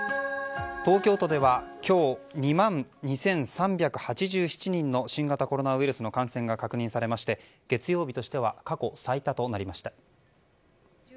東京都では今日、２万２３８７人の新型コロナウイルスの感染が確認されまして月曜日としては過去最多となりました。